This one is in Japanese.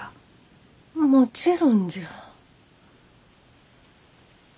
もちろんじゃ。